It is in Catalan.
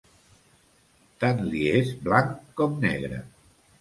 Tant li és blanc com negre.